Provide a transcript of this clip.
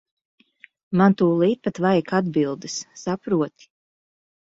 Man tūlīt pat vajag atbildes, saproti.